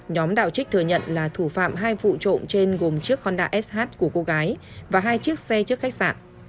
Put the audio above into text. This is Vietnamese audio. nhóm đạo trích thừa nhận là thủ phạm hai vụ trộm trên gồm chiếc honda sh của cô gái và hai chiếc xe trước khách sạn